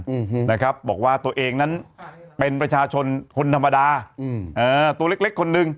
อืมนะครับบอกว่าตัวเองนั้นเป็นประชาชนคนธรรมดาอืมเออตัวเล็กเล็กคนหนึ่ง